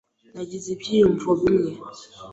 Nagize ibyiyumvo bimwe.